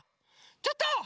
ちょっと！